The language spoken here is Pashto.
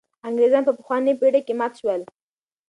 انګرېزان په پخوانۍ پېړۍ کې مات شول.